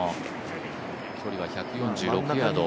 距離は１４６ヤード。